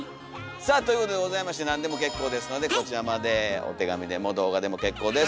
さあということでございまして何でも結構ですのでこちらまでお手紙でも動画でも結構です。